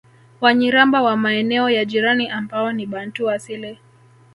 Wanyiramba wa maeneo ya jirani ambao ni Bantu asili